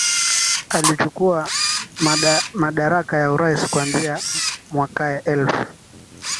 alichukua madaraka ya urais kuanzia mwakae elfu